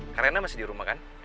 karena masih di rumah kan